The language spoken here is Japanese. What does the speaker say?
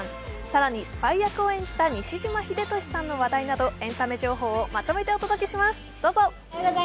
更にスパイ役を演じた西島秀俊さんの情報などエンタメ情報をまとめてお届けします。